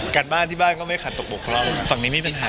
การบ้านละครก็ไม่ขัดตกบวกพ่อง